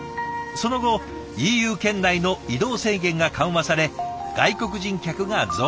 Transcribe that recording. その後ＥＵ圏内の移動制限が緩和され外国人客が増加。